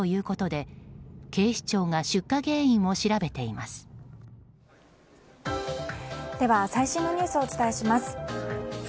では最新のニュースをお伝えします。